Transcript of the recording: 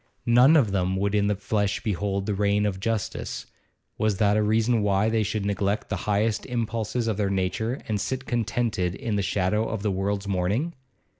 None of them would in the flesh behold the reign of justice; was that a reason why they should neglect the highest impulses of their nature and sit contented in the shadow of the world's mourning?